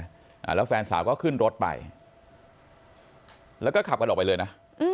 อ่าแล้วแฟนสาวก็ขึ้นรถไปแล้วก็ขับกันออกไปเลยนะอืม